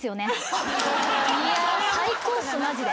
いや最高っすマジで。